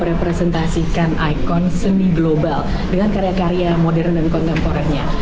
merepresentasikan ikon seni global dengan karya karya modern dan kontemporernya